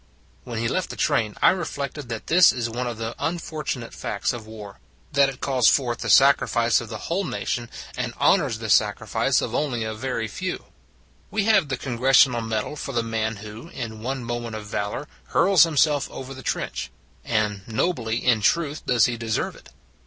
When he left the train I reflected that this is one of the unfortunate facts of war that it calls forth the sacrifice of the whole nation, and honors the sacrifice of only a very few. 186 Distributing Medals 187 We have the Congressional medal for the man who, in one moment of valor, hurls himself over the trench; and nobly, in truth, does he deserve it.